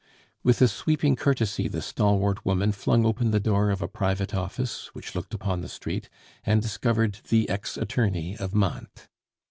With a sweeping courtesy, the stalwart woman flung open the door of a private office, which looked upon the street, and discovered the ex attorney of Mantes.